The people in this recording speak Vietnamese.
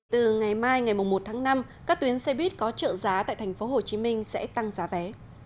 từ ngày mai ngày một tháng năm các tuyến xe buýt có trợ giá tại tp hcm sẽ tăng giá vé